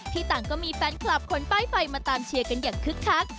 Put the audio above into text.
ต่างก็มีแฟนคลับคนป้ายไฟมาตามเชียร์กันอย่างคึกคัก